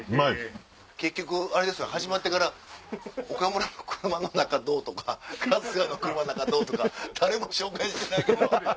結局始まってから岡村の車の中どうとか春日の車の中どうとか誰も紹介してないけど。